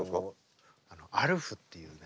「アルフ」っていうね。